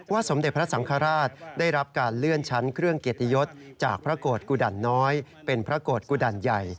สมเด็จพระสังฆราชได้รับการเลื่อนชั้นเครื่องเกียรติยศจากพระโกรธกุดันน้อยเป็นพระโกรธกุดันใหญ่